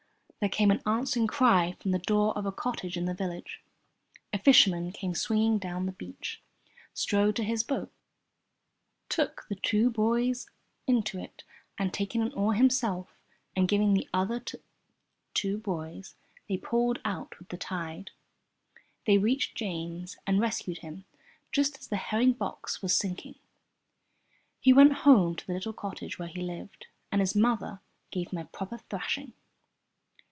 There came an answering cry from the door of a cottage in the village. A fisherman came swinging down the beach, strode to his boat, took the two boys into it, and taking an oar himself and giving the other to the two boys, they pulled out with the tide. They reached James and rescued him just as the herring box was sinking. He went home to the little cottage where he lived, and his mother gave him a proper thrashing.